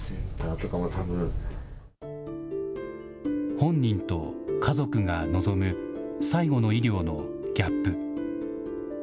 本人と家族が望む最期の医療のギャップ。